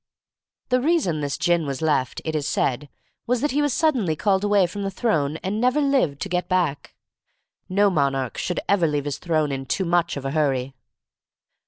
The reason this gin was left, it is said, was that he was suddenly called away from the throne and never lived to get back. No monarch should ever leave his throne in too much of a hurry.